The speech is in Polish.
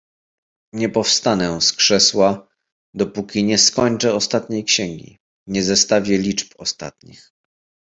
"Nie powstanę z krzesła, dopóki nie skończę ostatniej księgi, nie zestawię liczb ostatnich."